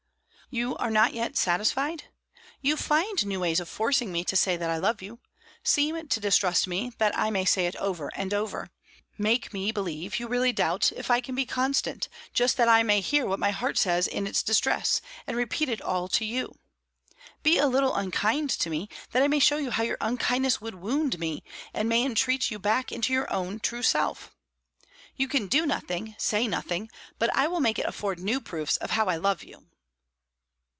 "You are not yet satisfied? You find new ways of forcing me to say that I love you. Seem to distrust me, that I may say it over and over; make me believe you really doubt if I can be constant, just that I may hear what my heart says in its distress, and repeat it all to you. Be a little unkind to me, that I may show how your unkindness would wound me, and may entreat you back into your own true self. You can do nothing, say nothing, but I will make it afford new proofs of hew I love you."